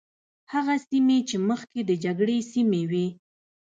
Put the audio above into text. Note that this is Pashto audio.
هغه سیمې چې مخکې د جګړې سیمې وي.